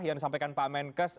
yang disampaikan pak menkes